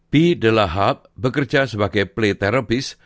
bee delahab bekerja sebagai play therapist